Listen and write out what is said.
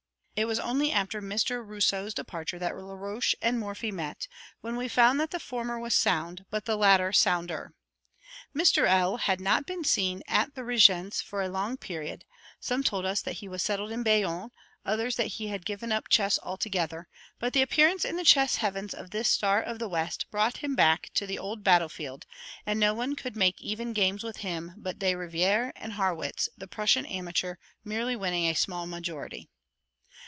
It was only after Mr. Rousseau's departure that Laroche and Morphy met, when we found that the former was "sound," but the latter "sounder." Mr. L. had not been seen at the Régence for a long period; some told us that he was settled in Bayonne, others that he had given up chess altogether: but the appearance in the chess heavens of this Star of the West, brought him back to the old battle field, and no one could make even games with him but De Rivière and Harrwitz, the Prussian amateur merely winning a small majority.